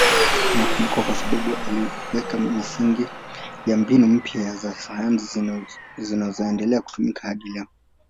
Anakumbukwa kwa sababu aliweka misingi ya mbinu mpya za sayansi zinazoendelea kutumika hadi leo.